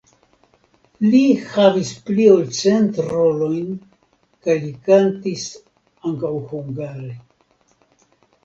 Li havis pli ol cent rolojn kaj li kantis ankaŭ hungare.